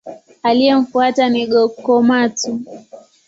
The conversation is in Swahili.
Aliyemfuata ni Go-Komatsu.